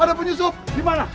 ada penyusuf di mana